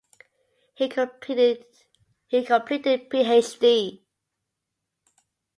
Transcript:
He completed Phd.